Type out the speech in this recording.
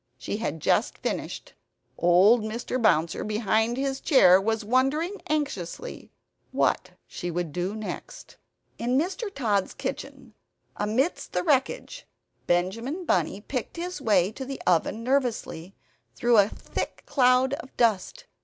She had just finished. Old Mr. Bouncer, behind his chair, was wondering anxiously what she would do next. In Mr. Tod's kitchen, amidst the wreckage, Benjamin Bunny picked his way to the oven nervously, through a thick cloud of dust.